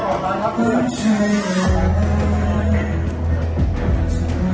ขอบคุณครับ